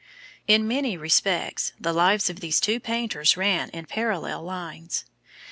In many respects the lives of these two painters ran in parallel lines.